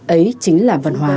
ấy chính là văn hóa